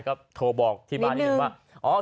ก็โทรบอกที่บ้านนิดนึงว่า